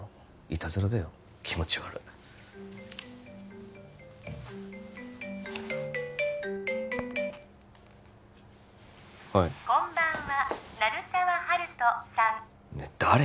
いたずらだよ気持ち悪いはいこんばんは鳴沢温人さん誰？